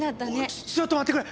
おいちょっと待ってくれ！